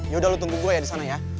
yaudah lo tunggu gua ya disana ya